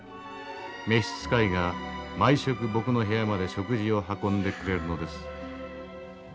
召し使いが毎食僕の部屋まで食事を運んでくれるのです」。